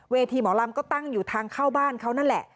ทีหมอลำก็ตั้งอยู่ทางเข้าบ้านเขานั่นแหละ